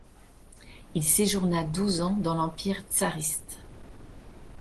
Il séjourna douze ans dans l'Empire tsariste.